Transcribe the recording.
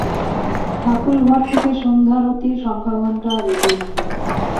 ঠাকুরঘর থেকে সন্ধ্যারতির শঙ্খঘণ্টা বেজে উঠল।